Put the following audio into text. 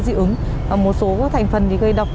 dị ứng một số thành phần gây độc